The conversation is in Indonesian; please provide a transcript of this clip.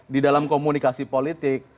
di dalam komunikasi politik